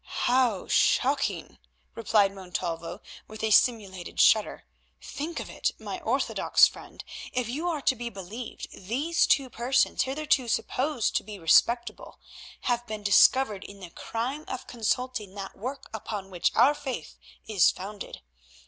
"How shocking!" replied Montalvo with a simulated shudder. "Think of it, my orthodox friend, if you are to be believed, these two persons, hitherto supposed to be respectable, have been discovered in the crime of consulting that work upon which our Faith is founded.